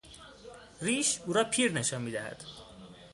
ریش، او را پیر نشان میدهد.